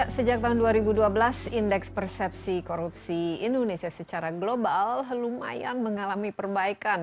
sejak tahun dua ribu dua belas indeks persepsi korupsi indonesia secara global lumayan mengalami perbaikan